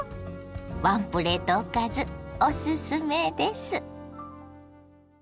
ワンプレートおかずおすすめです。